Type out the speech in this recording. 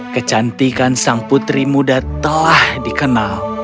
kecantikan sang putri muda telah dikenal